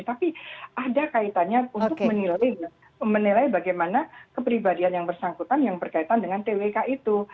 tapi ada kaitannya untuk menilai bagaimana kepribadian yang bersangkutan yang berkaitan dengan twk itu